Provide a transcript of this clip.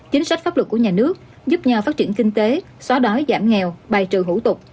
chính sách pháp luật của nhà nước giúp nhau phát triển kinh tế xóa đói giảm nghèo bài trừ hủ tục